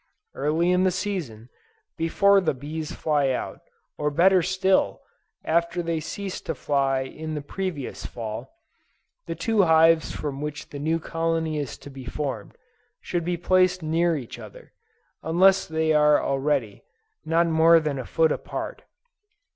Early in the season, before the bees fly out, or better still, after they ceased to fly in the previous Fall, the two hives from which the new colony is to be formed, should be placed near each other, unless they are already, not more than a foot apart.